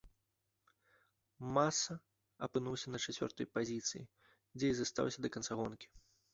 Маса апынуўся на чацвёртай пазіцыі, дзе і застаўся да канца гонкі.